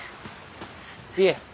いえ。